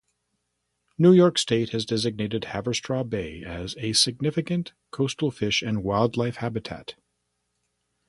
New York State has designated Haverstraw Bay a "Significant Coastal Fish and Wildlife Habitat".